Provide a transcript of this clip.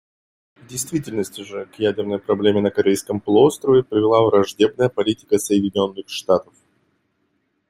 В действительности же к ядерной проблеме на Корейском полуострове привела враждебная политика Соединенных Штатов.